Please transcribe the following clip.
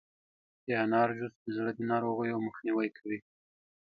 د انار جوس د زړه د ناروغیو مخنیوی کوي.